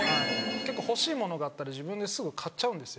結構欲しいものがあったら自分ですぐ買っちゃうんですよ。